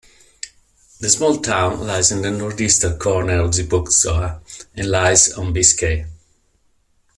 The small town lies in the northeastern corner of Gipuzkoa and lies on Biscay.